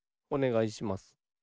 おねがいします。